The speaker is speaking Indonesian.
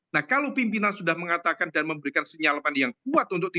nah kalau pimpinan sudah mengatakan dan memberikan senyalaman yang kuat